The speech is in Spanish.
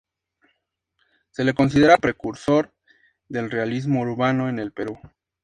Se le considera precursor del realismo urbano en el Perú.